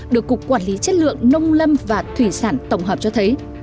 được cục quản lý chất lượng nông lâm và thủy sản tổng hợp cho thấy